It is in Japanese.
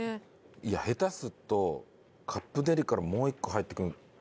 いや下手するとカップデリからもう一個入ってくる。